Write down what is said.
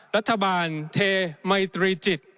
รัฐบาลเทมัยตรีจิต